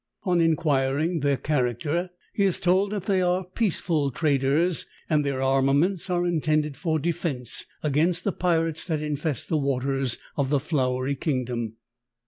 On inquiring their character he is told that they are peaceful traders, and their armaments are intended for defense against the pirates that infest the waters of the Flowery Kingdom.